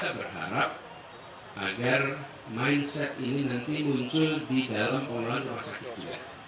kita berharap agar mindset ini nanti muncul di dalam pengelolaan rumah sakit juga